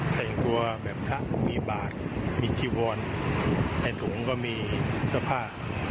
ใครกลัวแบบถ้ามีบาทมีจีวอนแทนถุงก็มีเสื้อผ้า